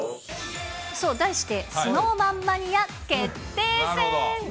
そう、題して、ＳｎｏｗＭａｎマニア決定戦。